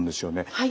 はい。